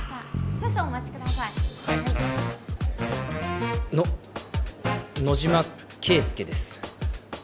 少々お待ちくださいの野島啓介です